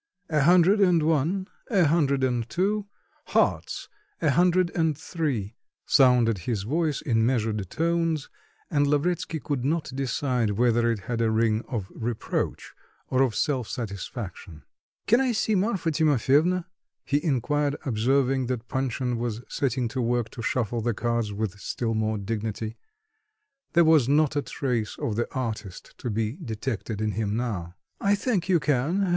"A hundred and one, a hundred and two, hearts, a hundred and three," sounded his voice in measured tones, and Lavretsky could not decide whether it had a ring of reproach or of self satisfaction. "Can I see Marfa Timofyevna?" he inquired, observing that Panshin was setting to work to shuffle the cards with still more dignity. There was not a trace of the artist to be detected in him now. "I think you can.